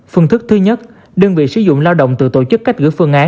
phương thức thứ nhất đơn vị sử dụng lao động tự tổ chức cách gửi phương án